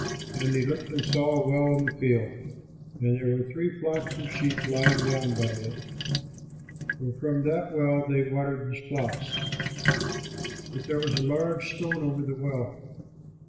And he looked and saw a well in the field, and there were three flocks of sheep lying down by it; for from that well they watered the flocks; but there was a large stone over the well.